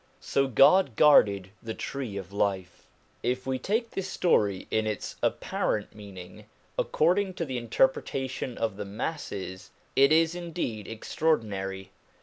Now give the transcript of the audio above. So God guarded the tree of life. If we take this story in its apparent meaning, accord ing to the interpretation of the masses, it is indeed extraordinary.